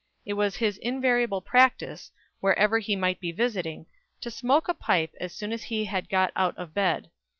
It was his invariable practice, wherever he might be visiting, to smoke a pipe as soon as he had got out of bed.